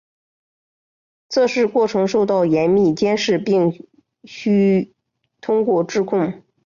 测试过程受到严密监视并须通过质控。